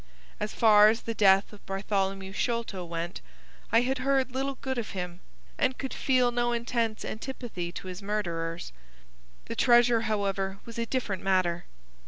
As far as the death of Bartholomew Sholto went, I had heard little good of him, and could feel no intense antipathy to his murderers. The treasure, however, was a different matter.